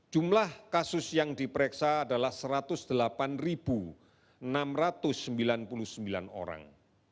jumlah kasus yang diperiksa adalah satu ratus delapan enam ratus sembilan puluh sembilan orang